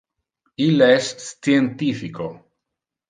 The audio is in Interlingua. Ille es scientifico.